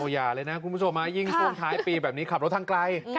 อย่าเลยนะคุณผู้ชมยิ่งช่วงท้ายปีแบบนี้ขับรถทางไกล